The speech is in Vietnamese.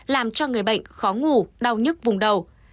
làm cho người bệnh khó ngủ đau nhức vùng đầu